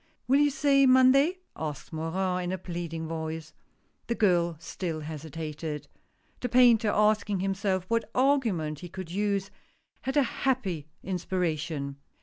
" Will you say Monday ?" asked Morin, in a pleading voice. The girl still hesitated. The painter asking himself what argument he could use, had a happy inspiration.